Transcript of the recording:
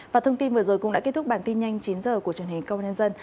và thông tin vừa rồi cũng đã kết thúc bản tin nhanh chín h của truyền hình công an nhân dân